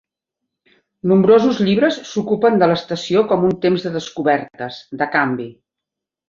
Nombrosos llibres s'ocupen de l'estació com un temps de descobertes, de canvi.